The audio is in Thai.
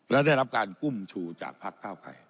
และได้รับการกุ้มชูจากพักเก้าไกร